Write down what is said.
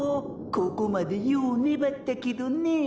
ここまでようねばったけどね。